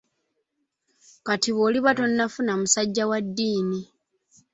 Kati bw'oliba tonnafuna musajja wa ddiini?